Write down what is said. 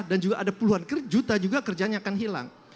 dan juga ada puluhan juta juga kerjaan yang akan hilang